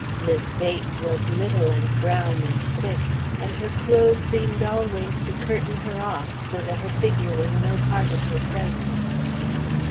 Mis' Bates was little and brown and quick, and her clothes seemed always to curtain her off, so that her figure was no part of her presence.